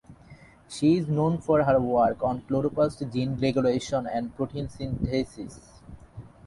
She is known for her work on chloroplast gene regulation and protein synthesis.